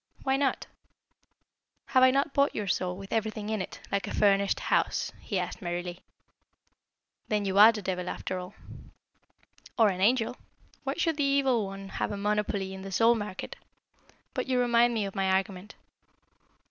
"Why not?" "Have I not bought your soul, with everything in it, like a furnished house?" he asked merrily. "Then you are the devil after all?" "Or an angel. Why should the evil one have a monopoly in the soul market? But you remind me of my argument.